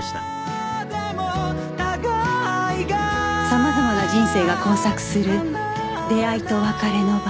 様々な人生が交錯する出会いと別れの場